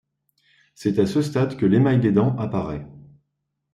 C'est à ce stade que l'émail des dents apparaît.